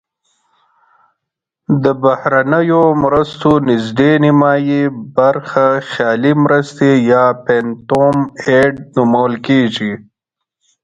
د بهرنیو مرستو نزدې نیمایي برخه خیالي مرستې یا phantom aid نومول کیږي.